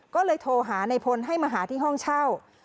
ก็เลยโทรหาในพลให้มาหาที่ห้องเช่า